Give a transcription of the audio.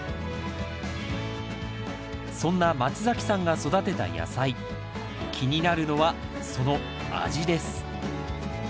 そんな松崎さんが育てた野菜気になるのはその味です